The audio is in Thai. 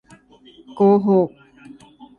โกหก